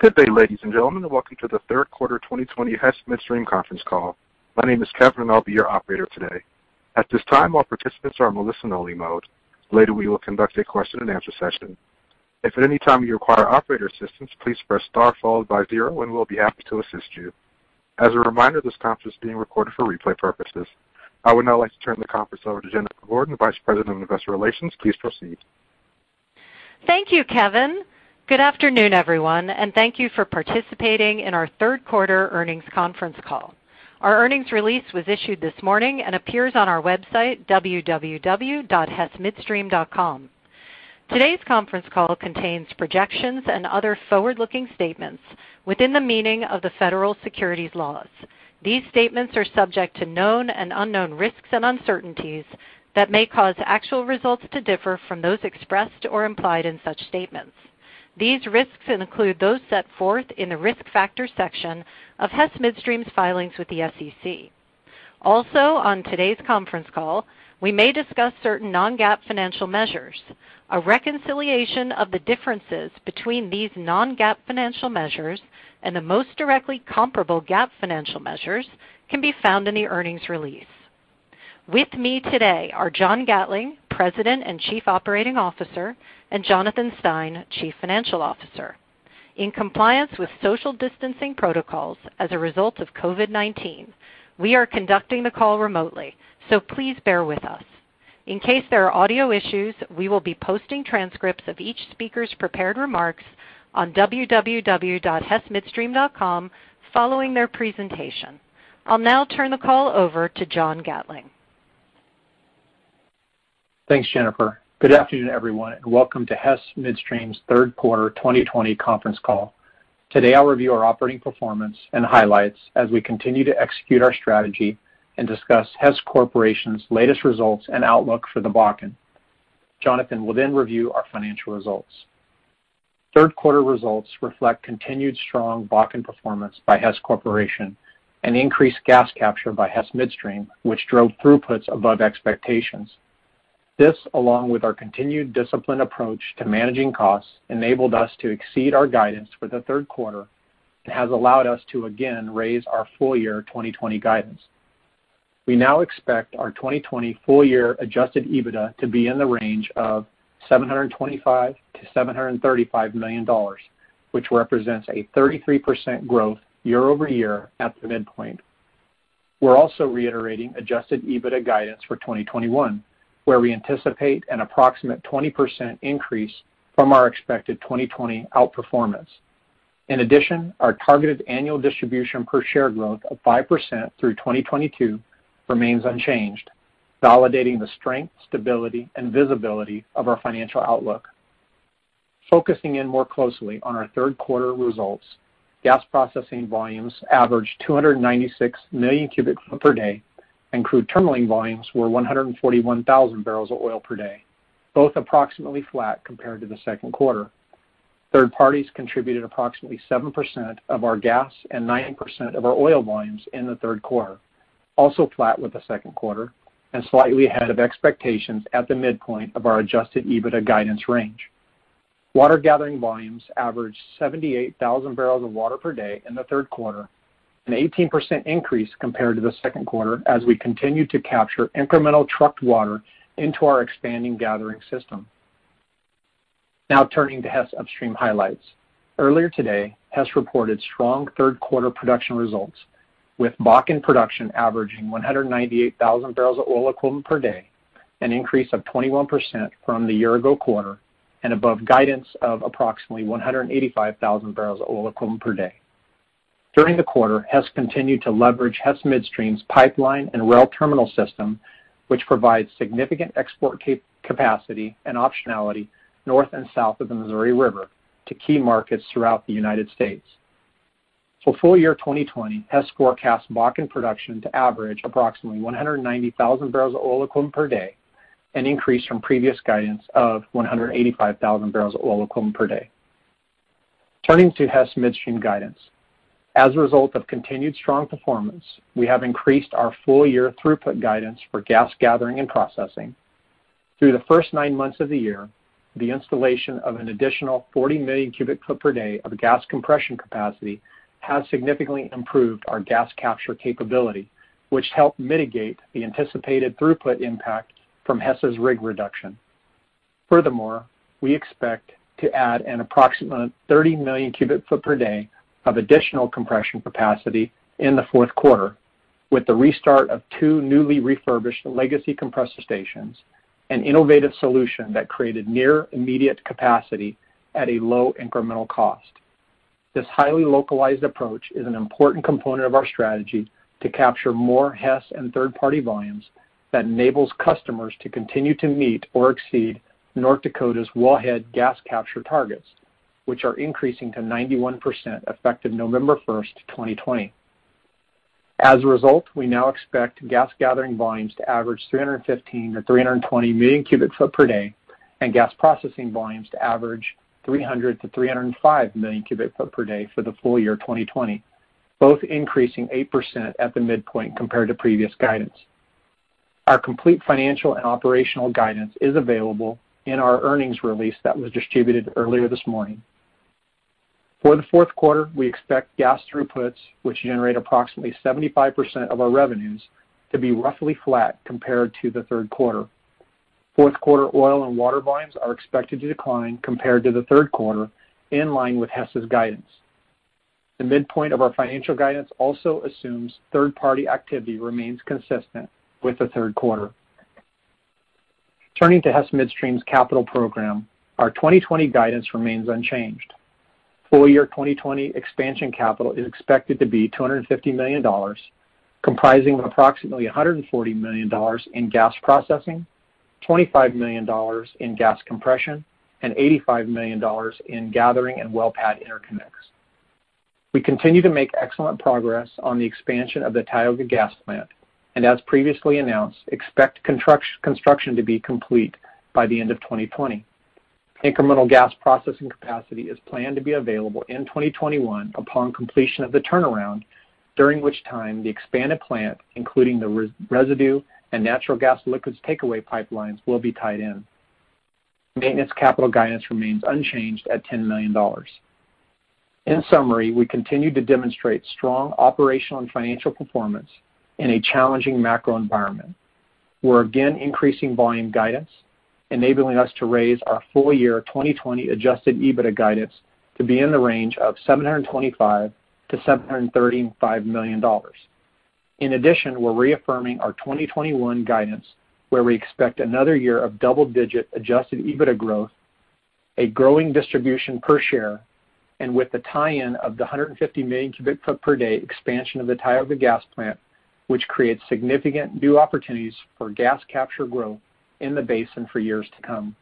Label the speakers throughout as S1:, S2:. S1: Good day, ladies and gentlemen, and welcome to the third quarter 2020 Hess Midstream conference call. My name is Kevin, and I will be your operator today. At this time, all participants are in listen only mode. Later, we will conduct a question and answer session. If at any time you require operator assistance, please press star followed by zero, and we will be happy to assist you. As a reminder, this conference is being recorded for replay purposes. I would now like to turn the conference over to Jennifer Gordon, Vice President of Investor Relations. Please proceed.
S2: Thank you, Kevin. Good afternoon, everyone, and thank you for participating in our third quarter earnings conference call. Our earnings release was issued this morning and appears on our website, www.hessmidstream.com. Today's conference call contains projections and other forward-looking statements within the meaning of the federal securities laws. These statements are subject to known and unknown risks and uncertainties that may cause actual results to differ from those expressed or implied in such statements. These risks include those set forth in the risk factor section of Hess Midstream's filings with the SEC. Also, on today's conference call, we may discuss certain non-GAAP financial measures. A reconciliation of the differences between these non-GAAP financial measures and the most directly comparable GAAP financial measures can be found in the earnings release. With me today are John Gatling, President and Chief Operating Officer, and Jonathan Stein, Chief Financial Officer. In compliance with social distancing protocols as a result of COVID-19, we are conducting the call remotely, so please bear with us. In case there are audio issues, we will be posting transcripts of each speaker's prepared remarks on www.hessmidstream.com following their presentation. I will now turn the call over to John Gatling.
S3: Thanks, Jennifer. Good afternoon, everyone, and welcome to Hess Midstream's third quarter 2020 conference call. Today, I will review our operating performance and highlights as we continue to execute our strategy and discuss Hess Corporation's latest results and outlook for the Bakken. Jonathan will review our financial results. Third-quarter results reflect continued strong Bakken performance by Hess Corporation and increased gas capture by Hess Midstream, which drove throughputs above expectations. This, along with our continued disciplined approach to managing costs, enabled us to exceed our guidance for the third quarter and has allowed us to, again, raise our full-year 2020 guidance. We now expect our 2020 full-year Adjusted EBITDA to be in the range of $725 million-$735 million, which represents a 33% growth year-over-year at the midpoint. We are also reiterating Adjusted EBITDA guidance for 2021, where we anticipate an approximate 20% increase from our expected 2020 outperformance. In addition, our targeted annual distribution per share growth of 5% through 2022 remains unchanged, validating the strength, stability, and visibility of our financial outlook. Focusing in more closely on our third quarter results, gas processing volumes averaged 296 million cubic feet per day, and crude terminaling volumes were 141,000 barrels of oil per day, both approximately flat compared to the second quarter. Third parties contributed approximately 7% of our gas and 9% of our oil volumes in the third quarter, also flat with the second quarter and slightly ahead of expectations at the midpoint of our Adjusted EBITDA guidance range. Water gathering volumes averaged 78,000 barrels of water per day in the third quarter, an 18% increase compared to the second quarter as we continued to capture incremental trucked water into our expanding gathering system. Now turning to Hess Upstream highlights. Earlier today, Hess reported strong third-quarter production results, with Bakken production averaging 198,000 barrels of oil equivalent per day, an increase of 21% from the year-ago quarter and above guidance of approximately 185,000 barrels of oil equivalent per day. During the quarter, Hess continued to leverage Hess Midstream's pipeline and rail terminal system, which provides significant export capacity and optionality north and south of the Missouri River to key markets throughout the United States. For full-year 2020, Hess forecasts Bakken production to average approximately 190,000 barrels of oil equivalent per day, an increase from previous guidance of 185,000 barrels of oil equivalent per day. Turning to Hess Midstream guidance. As a result of continued strong performance, we have increased our full-year throughput guidance for gas gathering and processing. Through the first nine months of the year, the installation of an additional 40 million cubic foot per day of gas compression capacity has significantly improved our gas capture capability, which helped mitigate the anticipated throughput impact from Hess's rig reduction. Furthermore, we expect to add an approximate 30 million cubic foot per day of additional compression capacity in the fourth quarter with the restart of two newly refurbished legacy compressor stations, an innovative solution that created near immediate capacity at a low incremental cost. This highly localized approach is an important component of our strategy to capture more Hess and third-party volumes that enables customers to continue to meet or exceed North Dakota's wellhead gas capture targets, which are increasing to 91% effective November 1st, 2020. As a result, we now expect gas gathering volumes to average 315 to 320 million cubic foot per day and gas processing volumes to average 300 to 305 million cubic foot per day for the full year 2020, both increasing 8% at the midpoint compared to previous guidance. Our complete financial and operational guidance is available in our earnings release that was distributed earlier this morning. For the fourth quarter, we expect gas throughputs, which generate approximately 75% of our revenues, to be roughly flat compared to the third quarter. Fourth quarter oil and water volumes are expected to decline compared to the third quarter, in line with Hess's guidance. The midpoint of our financial guidance also assumes third-party activity remains consistent with the third quarter. Turning to Hess Midstream's capital program, our 2020 guidance remains unchanged. Full year 2020 expansion capital is expected to be $250 million, comprising of approximately $140 million in gas processing, $25 million in gas compression, and $85 million in gathering and well pad interconnects. We continue to make excellent progress on the expansion of the Tioga Gas Plant. As previously announced, expect construction to be complete by the end of 2020. Incremental gas processing capacity is planned to be available in 2021 upon completion of the turnaround, during which time the expanded plant, including the residue and natural gas liquids takeaway pipelines, will be tied in. Maintenance capital guidance remains unchanged at $10 million. In summary, we continue to demonstrate strong operational and financial performance in a challenging macro environment. We're again increasing volume guidance, enabling us to raise our full year 2020 Adjusted EBITDA guidance to be in the range of $725 million-$735 million. We're reaffirming our 2021 guidance where we expect another year of double-digit Adjusted EBITDA growth, a growing distribution per share, and with the tie-in of the 150 million cubic foot per day expansion of the Tioga Gas Plant, which creates significant new opportunities for gas capture growth in the basin for years to come.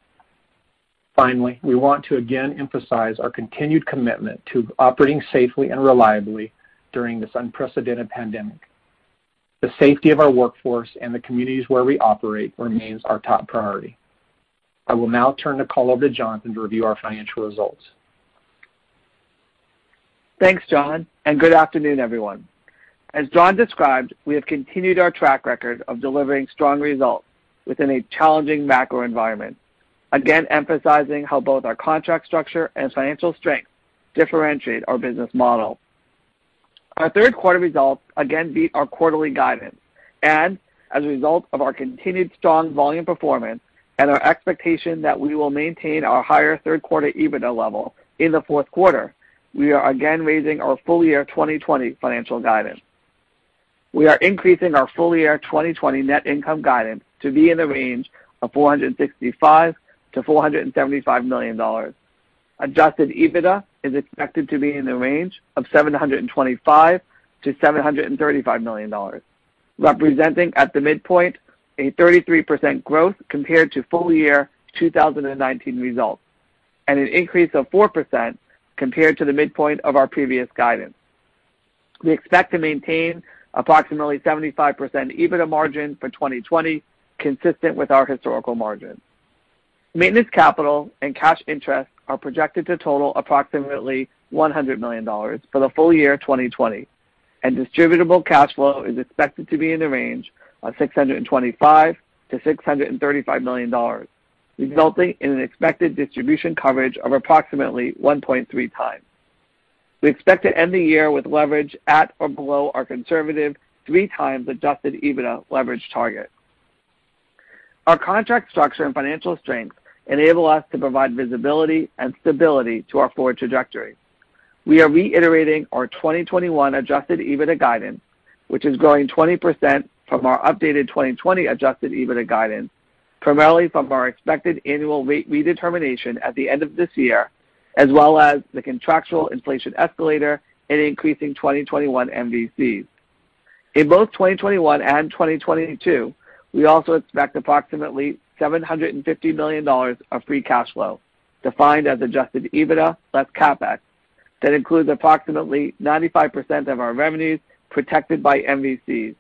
S3: We want to again emphasize our continued commitment to operating safely and reliably during this unprecedented pandemic. The safety of our workforce and the communities where we operate remains our top priority. I will now turn the call over to Jonathan to review our financial results.
S4: Thanks, John. Good afternoon, everyone. As John described, we have continued our track record of delivering strong results within a challenging macro environment. Emphasizing how both our contract structure and financial strength differentiate our business model. Our third quarter results again beat our quarterly guidance. As a result of our continued strong volume performance and our expectation that we will maintain our higher third quarter EBITDA level in the fourth quarter, we are again raising our full year 2020 financial guidance. We are increasing our full year 2020 net income guidance to be in the range of $465 million-$475 million. Adjusted EBITDA is expected to be in the range of $725 million-$735 million, representing at the midpoint a 33% growth compared to full year 2019 results, an increase of 4% compared to the midpoint of our previous guidance. We expect to maintain approximately 75% EBITDA margin for 2020, consistent with our historical margins. Maintenance capital and cash interest are projected to total approximately $100 million for the full year 2020. Distributable cash flow is expected to be in the range of $625 million-$635 million, resulting in an expected distribution coverage of approximately 1.3 times. We expect to end the year with leverage at or below our conservative 3 times Adjusted EBITDA leverage target. Our contract structure and financial strength enable us to provide visibility and stability to our forward trajectory. We are reiterating our 2021 Adjusted EBITDA guidance, which is growing 20% from our updated 2020 Adjusted EBITDA guidance, primarily from our expected annual rate redetermination at the end of this year, as well as the contractual inflation escalator and increasing 2021 MVCs. In both 2021 and 2022, we also expect approximately $750 million of free cash flow, defined as Adjusted EBITDA less CapEx, that includes approximately 95% of our revenues protected by MVCs,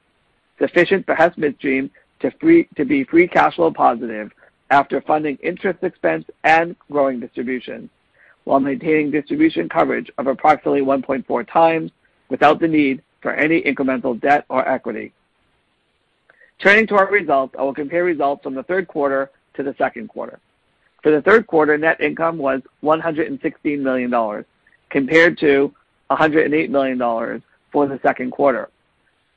S4: sufficient for Hess Midstream to be free cash flow positive after funding interest expense and growing distributions, while maintaining distribution coverage of approximately 1.4 times without the need for any incremental debt or equity. Turning to our results, I will compare results from the third quarter to the second quarter. For the third quarter, net income was $116 million, compared to $108 million for the second quarter.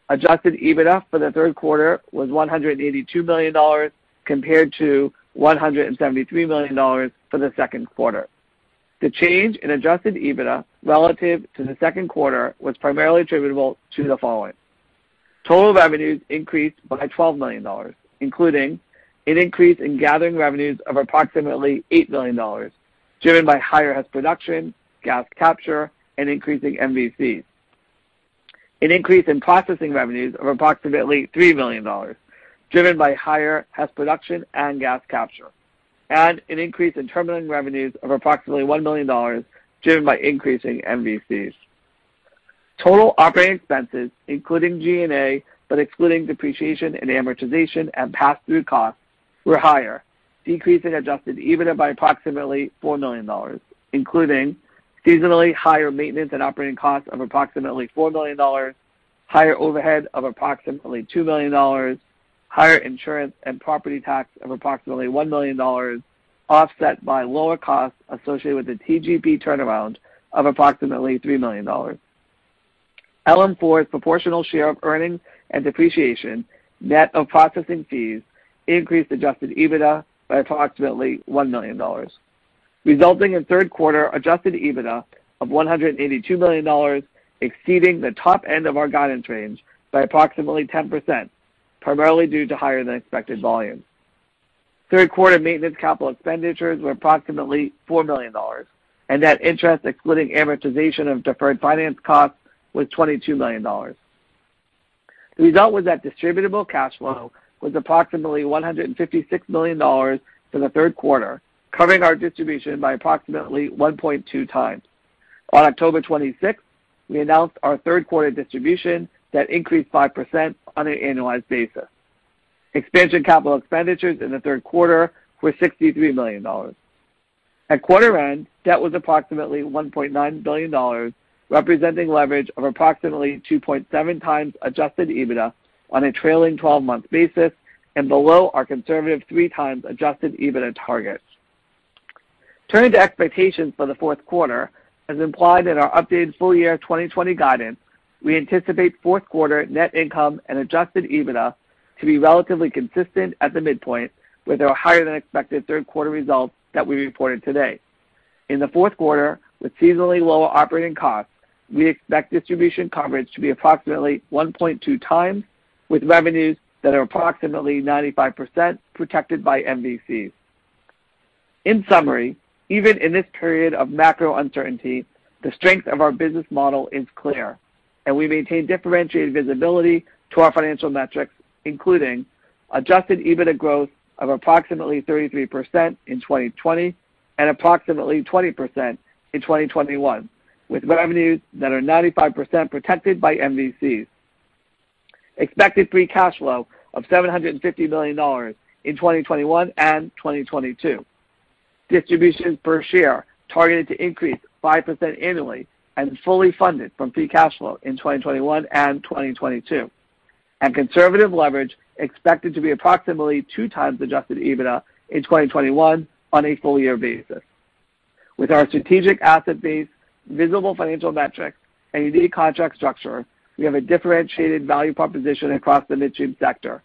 S4: Adjusted EBITDA for the third quarter was $182 million compared to $173 million for the second quarter. The change in Adjusted EBITDA relative to the second quarter was primarily attributable to the following. Total revenues increased by $12 million, including an increase in gathering revenues of approximately $8 million, driven by higher Hess production, gas capture, and increasing MVCs. An increase in processing revenues of approximately $3 million, driven by higher Hess production and gas capture. An increase in terminal revenues of approximately $1 million, driven by increasing MVCs. Total operating expenses, including G&A, but excluding depreciation and amortization and pass-through costs were higher, decreasing Adjusted EBITDA by approximately $4 million, including seasonally higher maintenance and operating costs of approximately $4 million, higher overhead of approximately $2 million, higher insurance and property tax of approximately $1 million, offset by lower costs associated with the TGP turnaround of approximately $3 million. LM4's proportional share of earnings and depreciation, net of processing fees, increased Adjusted EBITDA by approximately $1 million, resulting in third quarter Adjusted EBITDA of $182 million, exceeding the top end of our guidance range by approximately 10%, primarily due to higher than expected volumes. Third quarter maintenance capital expenditures were approximately $4 million, and net interest excluding amortization of deferred finance costs was $22 million. The result was that distributable cash flow was approximately $156 million for the third quarter, covering our distribution by approximately 1.2 times. On October 26th, we announced our third quarter distribution that increased 5% on an annualized basis. Expansion capital expenditures in the third quarter were $63 million. At quarter end, debt was approximately $1.9 billion, representing leverage of approximately 2.7x Adjusted EBITDA on a trailing 12-month basis, and below our conservative 3x Adjusted EBITDA targets. Turning to expectations for the fourth quarter, as implied in our updated full year 2020 guidance, we anticipate fourth quarter net income and Adjusted EBITDA to be relatively consistent at the midpoint with our higher than expected third quarter results that we reported today. In the fourth quarter, with seasonally lower operating costs, we expect distribution coverage to be approximately 1.2 times, with revenues that are approximately 95% protected by MVCs. In summary, even in this period of macro uncertainty, the strength of our business model is clear, and we maintain differentiated visibility to our financial metrics, including Adjusted EBITDA growth of approximately 33% in 2020 and approximately 20% in 2021, with revenues that are 95% protected by MVCs. Expected free cash flow of $750 million in 2021 and 2022. Distribution per share targeted to increase 5% annually and fully funded from free cash flow in 2021 and 2022. Conservative leverage expected to be approximately two times Adjusted EBITDA in 2021 on a full year basis. With our strategic asset base, visible financial metrics, and unique contract structure, we have a differentiated value proposition across the midstream sector.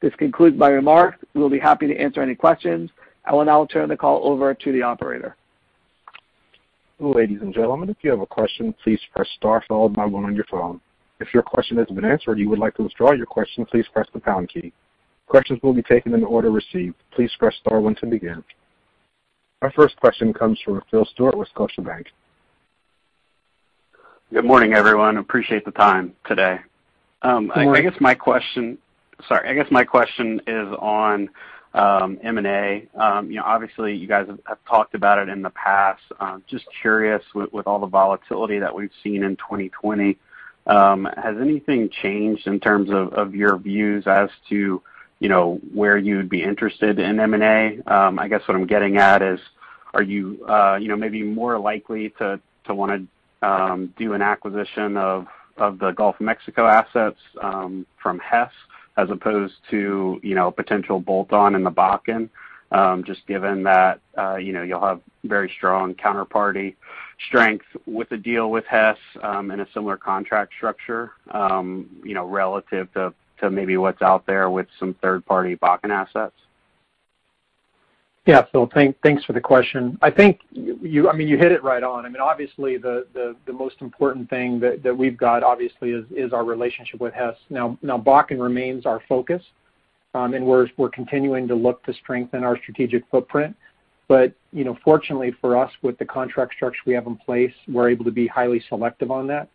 S4: This concludes my remarks. We'll be happy to answer any questions. I will now turn the call over to the operator.
S1: Ladies and gentlemen, if you have a question, please press star followed by one on your phone. If your question has been answered and you would like to withdraw your question, please press the pound key. Questions will be taken in the order received. Please press star one to begin. Our first question comes from Praneeth Satish with Scotiabank.
S5: Good morning, everyone. Appreciate the time today.
S4: Good morning.
S5: Sorry. I guess my question is on M&A. Obviously you guys have talked about it in the past. Just curious, with all the volatility that we've seen in 2020, has anything changed in terms of your views as to where you would be interested in M&A? I guess what I'm getting at is, are you maybe more likely to want to do an acquisition of the Gulf of Mexico assets from Hess as opposed to a potential bolt-on in the Bakken, just given that you'll have very strong counterparty strength with a deal with Hess, and a similar contract structure, relative to maybe what's out there with some third-party Bakken assets?
S3: Yeah, Phil, thanks for the question. You hit it right on. Obviously, the most important thing that we've got, obviously, is our relationship with Hess. Bakken remains our focus, and we're continuing to look to strengthen our strategic footprint. Fortunately for us, with the contract structure we have in place, we're able to be highly selective on that.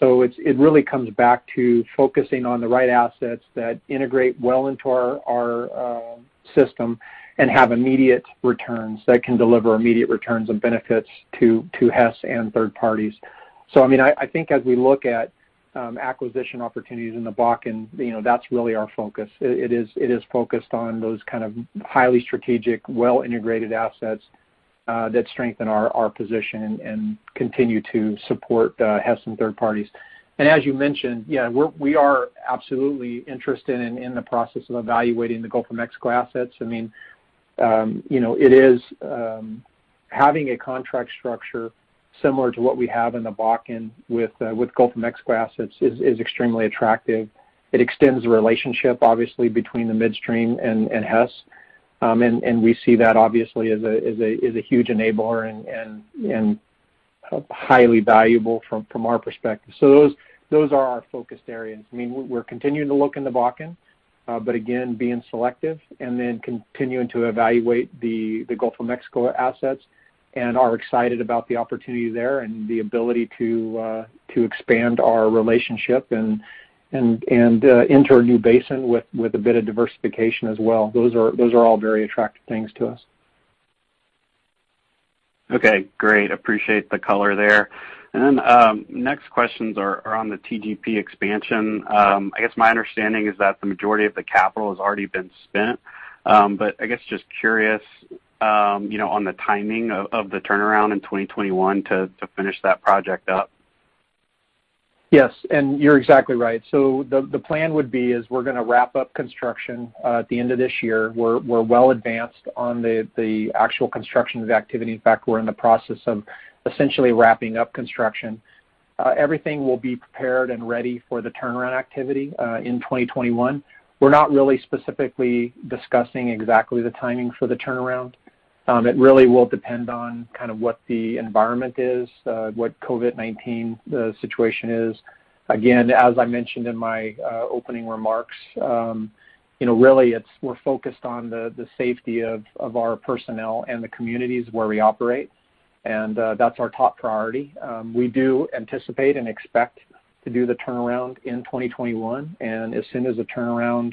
S3: It really comes back to focusing on the right assets that integrate well into our system and have immediate returns, that can deliver immediate returns and benefits to Hess and third parties. I think as we look at acquisition opportunities in the Bakken, that's really our focus. It is focused on those kind of highly strategic, well-integrated assets that strengthen our position and continue to support Hess and third parties. As you mentioned, yeah, we are absolutely interested and in the process of evaluating the Gulf of Mexico assets. Having a contract structure similar to what we have in the Bakken with Gulf of Mexico assets is extremely attractive. It extends the relationship, obviously, between the midstream and Hess. We see that, obviously, as a huge enabler and highly valuable from our perspective. Those are our focused areas. We're continuing to look in the Bakken. Again, being selective, and then continuing to evaluate the Gulf of Mexico assets and are excited about the opportunity there and the ability to expand our relationship and enter a new basin with a bit of diversification as well. Those are all very attractive things to us.
S5: Okay, great. Appreciate the color there. Next questions are on the TGP expansion. I guess my understanding is that the majority of the capital has already been spent. I guess just curious on the timing of the turnaround in 2021 to finish that project up.
S3: Yes, and you're exactly right. The plan would be is we're going to wrap up construction at the end of this year. We're well advanced on the actual construction of the activity. In fact, we're in the process of essentially wrapping up construction. Everything will be prepared and ready for the turnaround activity, in 2021. We're not really specifically discussing exactly the timing for the turnaround. It really will depend on what the environment is, what COVID-19 situation is. Again, as I mentioned in my opening remarks, really, we're focused on the safety of our personnel and the communities where we operate, and that's our top priority. We do anticipate and expect to do the turnaround in 2021. As soon as the turnaround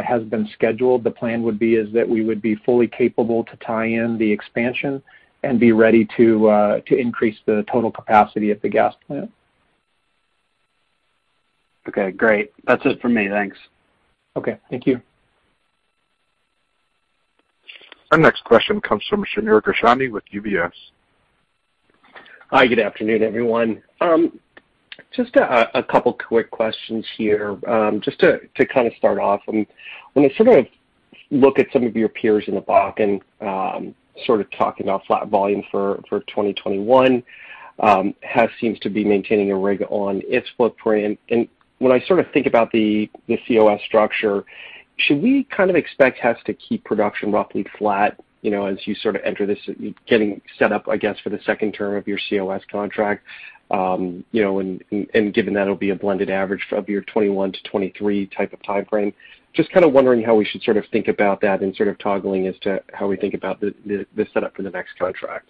S3: has been scheduled, the plan would be is that we would be fully capable to tie in the expansion and be ready to increase the total capacity at the gas plant.
S5: Great. That's it for me. Thanks.
S3: Thank you.
S1: Our next question comes from Shneur Gershuni with UBS.
S6: Hi, good afternoon, everyone. Just a couple quick questions here. Just to start off, when I look at some of your peers in the Bakken, talking about flat volume for 2021, Hess seems to be maintaining a rig on its footprint. When I think about the COS structure, should we expect Hess to keep production roughly flat as you enter getting set up, I guess, for the second term of your COS contract? Given that it'll be a blended average of your 2021 to 2023 type of time frame. Just wondering how we should think about that and toggling as to how we think about the setup for the next contract.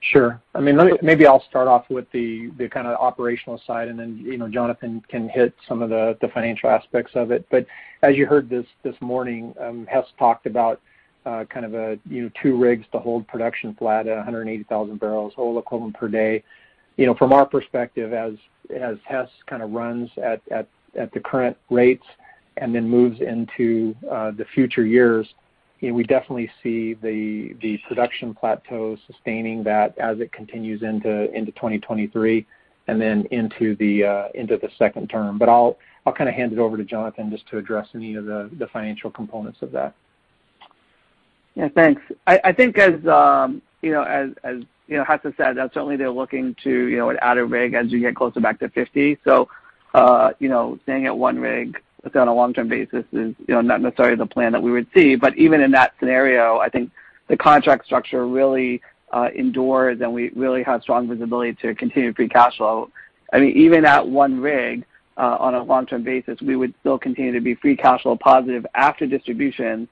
S3: Sure. Maybe I'll start off with the operational side, Jonathan can hit some of the financial aspects of it. As you heard this morning, Hess talked about two rigs to hold production flat at 180,000 barrels oil equivalent per day. From our perspective, as Hess runs at the current rates and moves into the future years, we definitely see the production plateau sustaining that as it continues into 2023 and into the second term. I'll hand it over to Jonathan just to address any of the financial components of that.
S4: Yeah, thanks. I think as Hess has said, certainly they're looking to add a rig as you get closer back to 50. Staying at one rig on a long-term basis is not necessarily the plan that we would see. Even in that scenario, I think the contract structure really endures, and we really have strong visibility to continue free cash flow. Even at one rig on a long-term basis, we would still continue to be free cash flow positive after distribution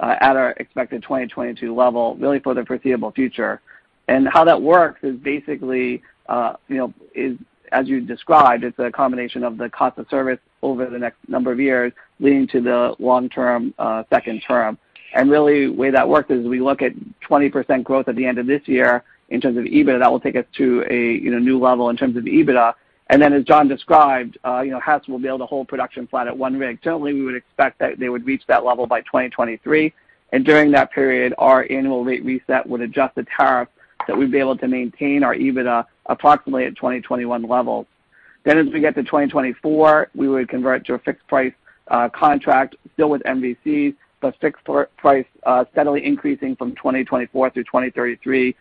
S4: at our expected 2022 level, really for the foreseeable future. How that works is basically as you described, it's a combination of the cost of service over the next number of years leading to the long-term second term. Really the way that works is we look at 20% growth at the end of this year in terms of EBITDA. That will take us to a new level in terms of EBITDA. As John described, Hess will be able to hold production flat at one rig. Certainly, we would expect that they would reach that level by 2023. During that period, our annual rate reset would adjust the tariff that we'd be able to maintain our EBITDA approximately at 2021 levels. As we get to 2024, we would convert to a fixed price contract still with MVC, but fixed price steadily increasing from 2024 through 2033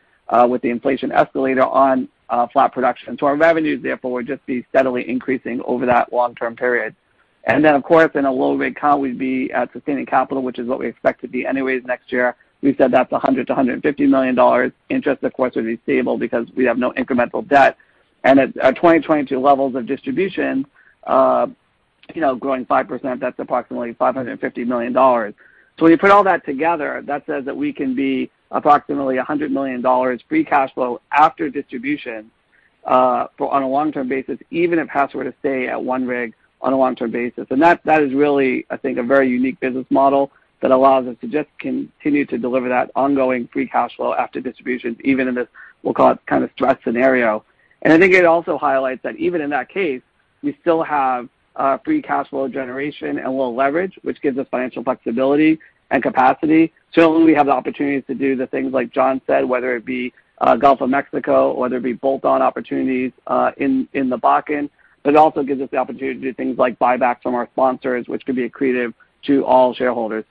S4: with the inflation escalator on flat production. Our revenues therefore would just be steadily increasing over that long-term period. Of course, in a low rig count, we'd be at sustaining capital, which is what we expect to be anyways next year. We said that's $100 million-$150 million. Interest, of course, would be stable because we have no incremental debt. At our 2022 levels of distribution, growing 5%, that's approximately $550 million. When you put all that together, that says that we can be approximately $100 million free cash flow after distribution on a long-term basis, even if Hess were to stay at one rig on a long-term basis. That is really, I think, a very unique business model that allows us to just continue to deliver that ongoing free cash flow after distributions, even in this, we'll call it kind of stress scenario. I think it also highlights that even in that case, we still have free cash flow generation and low leverage, which gives us financial flexibility and capacity. Certainly, we have the opportunities to do the things like John said, whether it be Gulf of Mexico, or whether it be bolt-on opportunities in the Bakken. It also gives us the opportunity to do things like buybacks from our sponsors, which could be accretive to all shareholders.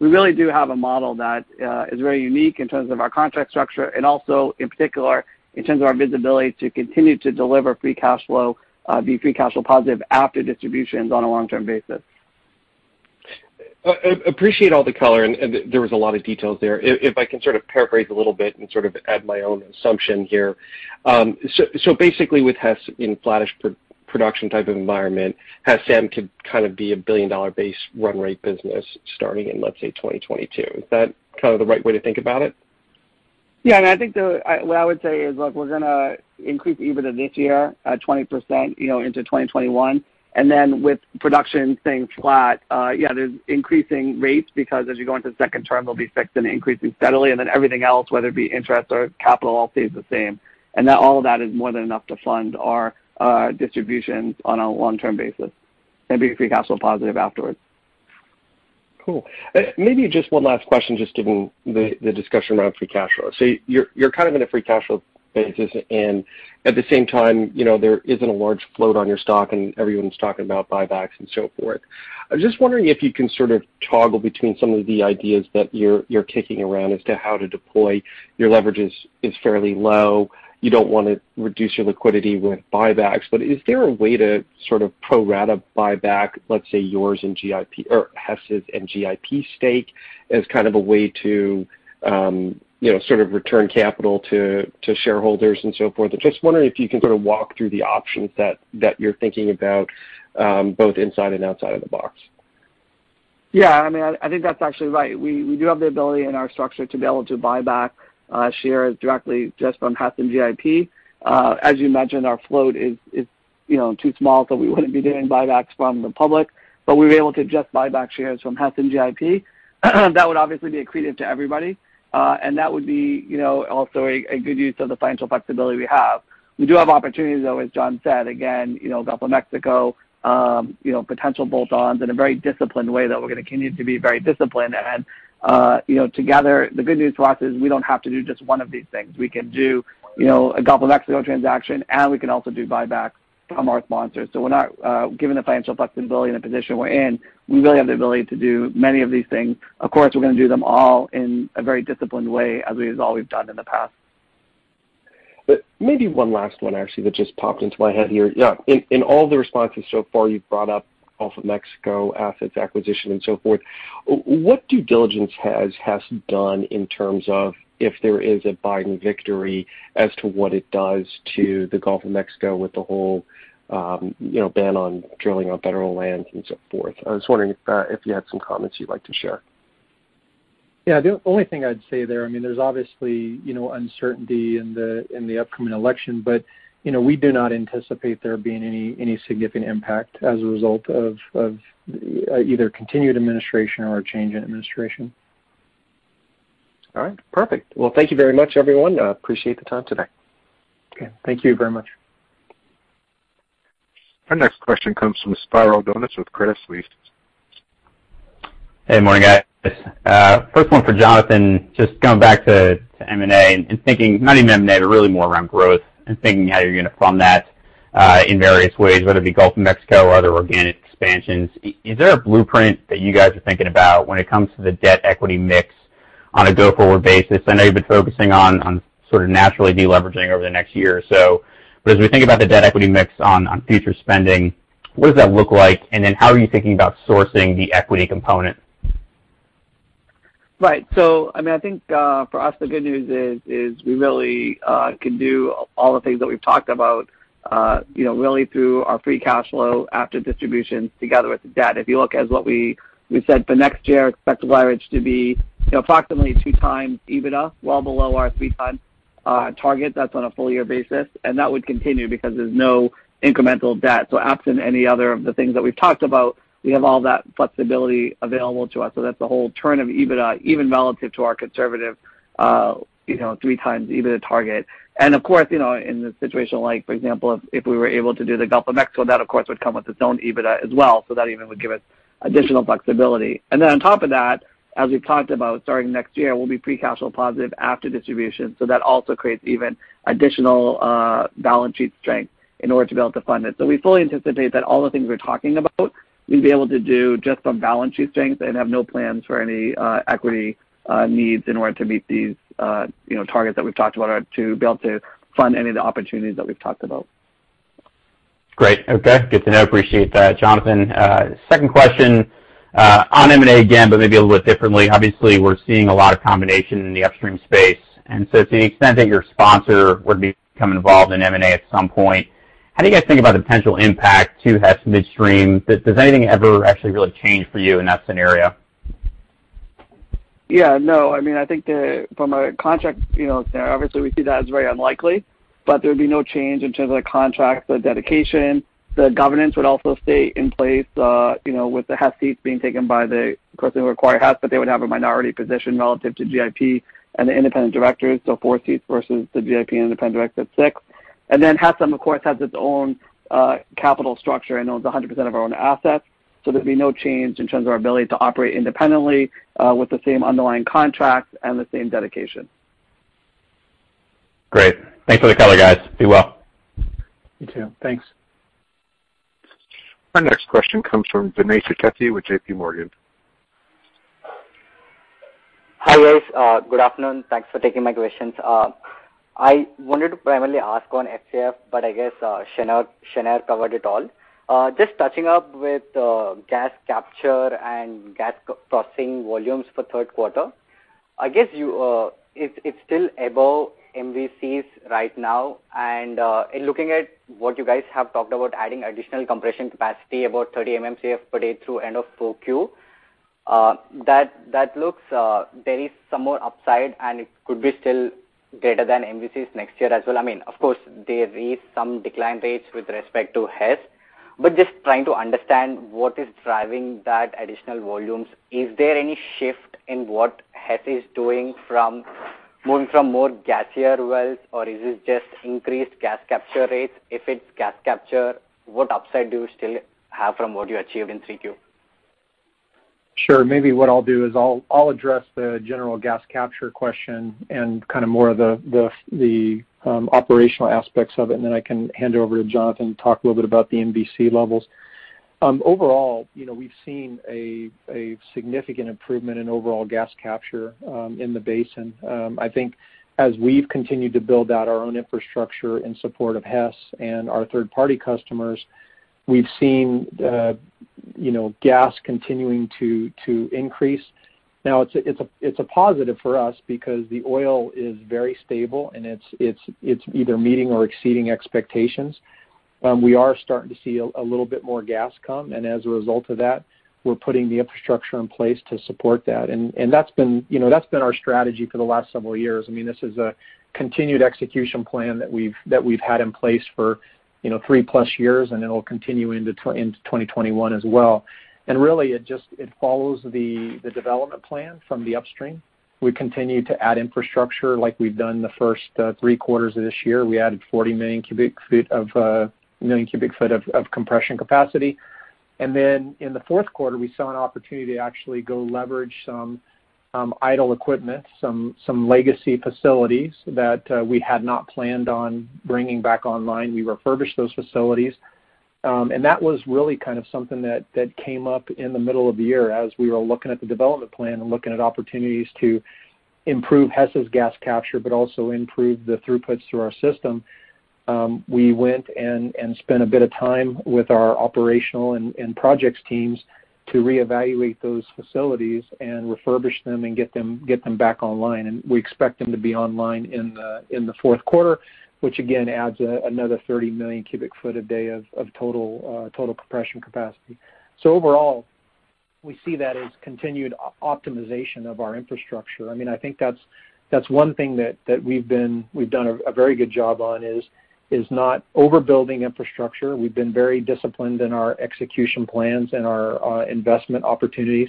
S4: We really do have a model that is very unique in terms of our contract structure and also in particular, in terms of our visibility to continue to deliver free cash flow, be free cash flow positive after distributions on a long-term basis.
S6: Appreciate all the color. There was a lot of details there. If I can sort of paraphrase a little bit and add my own assumption here. Basically with Hess in flattish production type of environment, Hess Midstream could be a billion-dollar base run rate business starting in, let's say, 2022. Is that the right way to think about it?
S4: Yeah. I think what I would say is, look, we're going to increase EBITDA this year at 20% into 2021. With production staying flat, yeah, there's increasing rates, because as you go into the second term, they'll be fixed and increasing steadily. Everything else, whether it be interest or capital, all stays the same. All of that is more than enough to fund our distributions on a long-term basis and be free cash flow positive afterwards.
S6: Cool. Maybe just one last question, just given the discussion around free cash flow. You're kind of in a free cash flow basis, at the same time, there isn't a large float on your stock, everyone's talking about buybacks and so forth. I was just wondering if you can sort of toggle between some of the ideas that you're kicking around as to how to deploy. Your leverage is fairly low. You don't want to reduce your liquidity with buybacks. Is there a way to sort of pro rata buyback, let's say, Hess' and GIP's stake as kind of a way to return capital to shareholders and so forth? I'm just wondering if you can sort of walk through the options that you're thinking about both inside and outside of the box.
S4: Yeah. I think that's actually right. We do have the ability in our structure to be able to buy back shares directly just from Hess and GIP. As you mentioned, our float is too small, we wouldn't be doing buybacks from the public, we were able to just buy back shares from Hess and GIP. That would obviously be accretive to everybody. That would be also a good use of the financial flexibility we have. We do have opportunities, though, as John said, again, Gulf of Mexico, potential bolt-ons in a very disciplined way that we're going to continue to be very disciplined. Together, the good news to us is we don't have to do just one of these things. We can do a Gulf of Mexico transaction, we can also do buybacks from our sponsors. Given the financial flexibility and the position we're in, we really have the ability to do many of these things. Of course, we're going to do them all in a very disciplined way, as we always done in the past.
S6: Maybe one last one, actually, that just popped into my head here. Yeah. In all the responses so far, you've brought up Gulf of Mexico assets acquisition and so forth. What due diligence has Hess done in terms of if there is a Biden victory as to what it does to the Gulf of Mexico with the whole ban on drilling on federal lands and so forth? I was wondering if you had some comments you'd like to share.
S3: Yeah. The only thing I'd say there's obviously uncertainty in the upcoming election. We do not anticipate there being any significant impact as a result of either continued administration or a change in administration.
S6: All right, perfect. Well, thank you very much, everyone. Appreciate the time today.
S3: Okay. Thank you very much.
S1: Our next question comes from Spiro Dounis with Credit Suisse.
S7: Hey, morning, guys. First one for Jonathan, just going back to M&A and thinking, not even M&A, but really more around growth and thinking how you're going to fund that in various ways, whether it be Gulf of Mexico or other organic expansions. Is there a blueprint that you guys are thinking about when it comes to the debt-equity mix on a go-forward basis? I know you've been focusing on sort of naturally de-leveraging over the next year or so. As we think about the debt-equity mix on future spending, what does that look like? How are you thinking about sourcing the equity component?
S4: Right. I think for us, the good news is we really can do all the things that we've talked about really through our free cash flow after distributions together with the debt. If you look as what we said for next year, expect leverage to be approximately two times EBITDA, well below our three times target. That's on a full year basis. That would continue because there's no incremental debt. Absent any other of the things that we've talked about, we have all that flexibility available to us. That's the whole turn of EBITDA, even relative to our conservative three times EBITDA target. Of course, in a situation like, for example, if we were able to do the Gulf of Mexico, that of course would come with its own EBITDA as well. That even would give us additional flexibility. On top of that, as we've talked about, starting next year, we'll be free cash flow positive after distribution. That also creates even additional balance sheet strength in order to be able to fund it. We fully anticipate that all the things we're talking about, we'd be able to do just from balance sheet strength and have no plans for any equity needs in order to meet these targets that we've talked about or to be able to fund any of the opportunities that we've talked about.
S7: Great. Okay. Good to know. Appreciate that, Jonathan. Second question on M&A again, but maybe a little bit differently. Obviously, we're seeing a lot of combination in the upstream space. To the extent that your sponsor would become involved in M&A at some point, how do you guys think about the potential impact to Hess Midstream? Does anything ever actually really change for you in that scenario?
S4: Yeah, no, I think from a contract scenario, obviously we see that as very unlikely, but there would be no change in terms of the contracts, the dedication. The governance would also stay in place with the Hess seats being taken by the-- of course, they require Hess, but they would have a minority position relative to GIP and the independent directors, so four seats versus the GIP independent directors at six. Hess, of course, has its own capital structure and owns 100% of our own assets. There'd be no change in terms of our ability to operate independently with the same underlying contracts and the same dedication.
S7: Great. Thanks for the color, guys. Be well.
S3: You, too. Thanks.
S1: Our next question comes from Dinesh Chawla with JPMorgan.
S8: Hi, guys. Good afternoon. Thanks for taking my questions. I wanted to primarily ask on FCF, but I guess Shneur covered it all. Just touching up with gas capture and gas processing volumes for third quarter. I guess it's still above MVCs right now. In looking at what you guys have talked about adding additional compression capacity, about 30 MMcf per day through end of 4Q. That looks there is some more upside, and it could be still greater than MVCs next year as well. Of course, there is some decline rates with respect to Hess. Just trying to understand what is driving that additional volumes. Is there any shift in what Hess is doing from moving from more gassier wells, or is it just increased gas capture rates? If it's gas capture, what upside do you still have from what you achieved in 3Q?
S3: Sure. Maybe what I'll do is I'll address the general gas capture question and more of the operational aspects of it, and then I can hand it over to Jonathan to talk a little bit about the MVC levels. Overall, we've seen a significant improvement in overall gas capture in the basin. I think as we've continued to build out our own infrastructure in support of Hess and our third-party customers, we've seen gas continuing to increase. Now it's a positive for us because the oil is very stable, and it's either meeting or exceeding expectations. We are starting to see a little bit more gas come, and as a result of that, we're putting the infrastructure in place to support that. That's been our strategy for the last several years. This is a continued execution plan that we've had in place for three-plus years, and it'll continue into 2021 as well. Really, it follows the development plan from the upstream. We continue to add infrastructure like we've done the first three quarters of this year. We added 40 million cubic feet of compression capacity. Then in the fourth quarter, we saw an opportunity to actually go leverage some idle equipment, some legacy facilities that we had not planned on bringing back online. We refurbished those facilities. That was really something that came up in the middle of the year as we were looking at the development plan and looking at opportunities to improve Hess's gas capture, but also improve the throughputs through our system. We went and spent a bit of time with our operational and projects teams to reevaluate those facilities and refurbish them and get them back online. We expect them to be online in the fourth quarter, which again adds another 30 million cubic foot a day of total compression capacity. Overall, we see that as continued optimization of our infrastructure. I think that's one thing that we've done a very good job on is not overbuilding infrastructure. We've been very disciplined in our execution plans and our investment opportunities.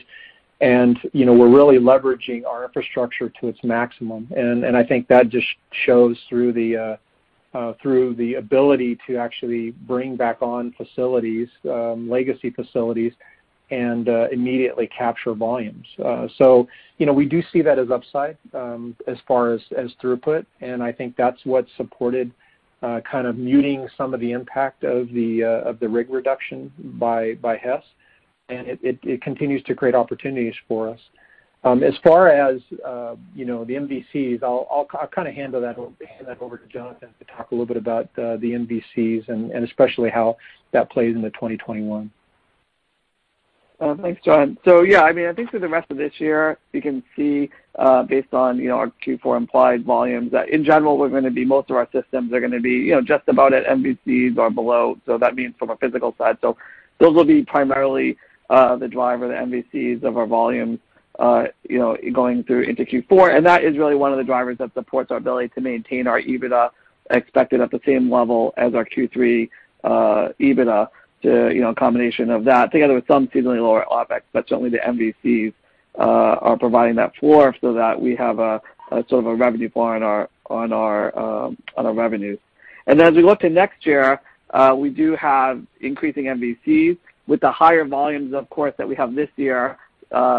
S3: We're really leveraging our infrastructure to its maximum. I think that just shows through the ability to actually bring back on legacy facilities and immediately capture volumes. We do see that as upside as far as throughput, and I think that's what supported muting some of the impact of the rig reduction by Hess. It continues to create opportunities for us. As far as the MVCs, I'll hand that over to Jonathan to talk a little bit about the MVCs and especially how that plays into 2021.
S4: Thanks, John. Yeah, I think for the rest of this year, you can see, based on our Q4 implied volumes, that in general, most of our systems are going to be just about at MVCs or below. That means from a physical side. Those will be primarily the driver, the MVCs of our volumes going through into Q4. That is really one of the drivers that supports our ability to maintain our EBITDA expected at the same level as our Q3 EBITDA. A combination of that together with some seasonally lower OpEx, certainly the MVCs are providing that floor so that we have a sort of a revenue floor on our revenues. As we look to next year, we do have increasing MVCs with the higher volumes, of course, that we have this year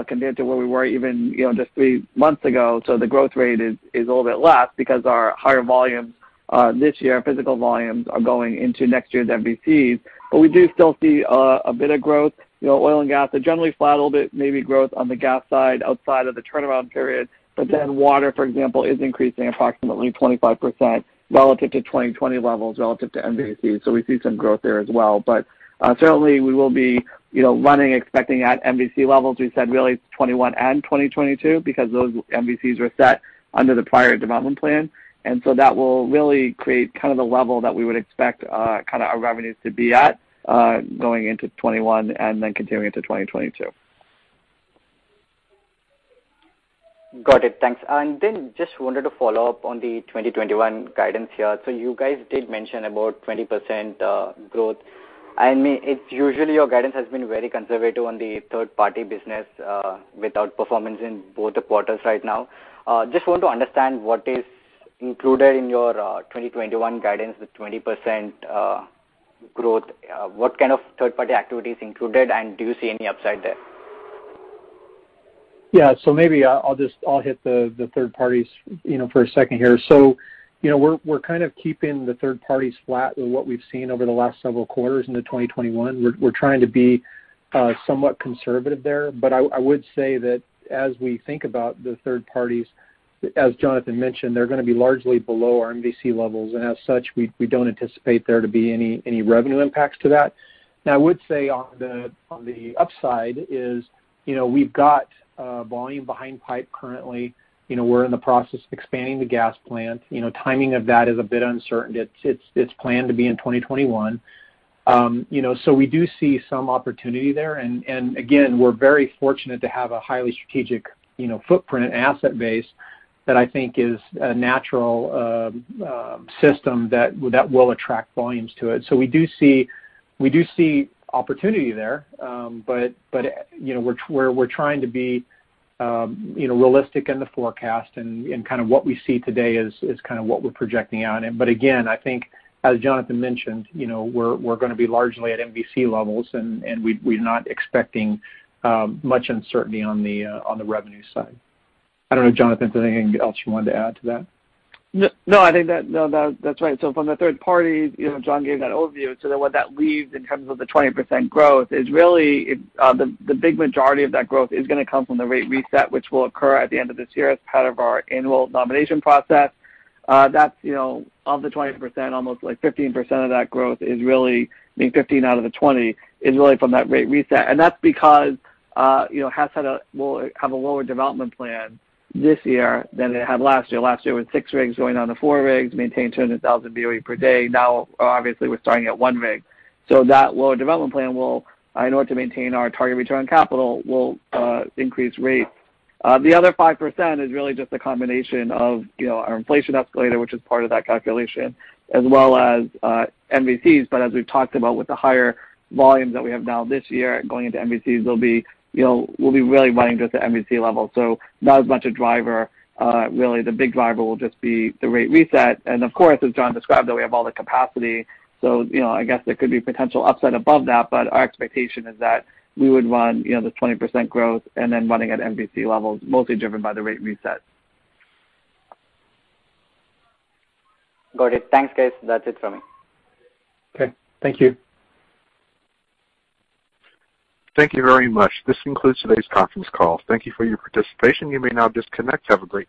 S4: compared to where we were even just three months ago. The growth rate is a little bit less because our higher volumes this year, physical volumes, are going into next year's MVCs. We do still see a bit of growth. Oil and gas are generally flat, a little bit, maybe growth on the gas side outside of the turnaround period. Water, for example, is increasing approximately 25% relative to 2020 levels relative to MVC. We see some growth there as well. Certainly we will be running, expecting at MVC levels, we said really 2021 and 2022 because those MVCs were set under the prior development plan. That will really create the level that we would expect our revenues to be at going into 2021 and then continuing to 2022.
S8: Got it. Thanks. Just wanted to follow up on the 2021 guidance here. You guys did mention about 20% growth. I mean, it's usually your guidance has been very conservative on the third-party business with outperformance in both the quarters right now. Just want to understand what is included in your 2021 guidance with 20% growth. What kind of third-party activity is included, and do you see any upside there?
S3: Maybe I'll hit the third parties for a second here. We're keeping the third parties flat with what we've seen over the last several quarters into 2021. We're trying to be somewhat conservative there. I would say that as we think about the third parties, as Jonathan mentioned, they're going to be largely below our MVC levels. As such, we don't anticipate there to be any revenue impacts to that. I would say on the upside is we've got volume behind pipe currently. We're in the process of expanding the gas plant. Timing of that is a bit uncertain. It's planned to be in 2021. We do see some opportunity there. Again, we're very fortunate to have a highly strategic footprint and asset base that I think is a natural system that will attract volumes to it. We do see opportunity there. We're trying to be realistic in the forecast and kind of what we see today is what we're projecting out. Again, I think as Jonathan mentioned, we're going to be largely at MVC levels, and we're not expecting much uncertainty on the revenue side. I don't know, Jonathan, if there's anything else you wanted to add to that?
S4: No, I think that's right. From the third party, John gave that overview. What that leaves in terms of the 20% growth is really the big majority of that growth is going to come from the rate reset, which will occur at the end of this year as part of our annual nomination process. Of the 20%, almost 15% of that growth is really, I mean, 15 out of the 20, is really from that rate reset. That's because Hess will have a lower development plan this year than it had last year. Last year, it was 6 rigs going down to 4 rigs, maintain 200,000 BOE per day. Obviously, we're starting at one rig. That lower development plan will, in order to maintain our target return on capital, will increase rates. The other 5% is really just a combination of our inflation escalator, which is part of that calculation, as well as MVCs. As we've talked about with the higher volumes that we have now this year going into MVCs, we'll be really running just at MVC levels. Not as much a driver. Really the big driver will just be the rate reset. Of course, as John described, that we have all the capacity. I guess there could be potential upside above that, but our expectation is that we would run the 20% growth and then running at MVC levels, mostly driven by the rate reset.
S8: Got it. Thanks, guys. That's it from me.
S3: Okay. Thank you.
S1: Thank you very much. This concludes today's conference call. Thank you for your participation. You may now disconnect. Have a great day.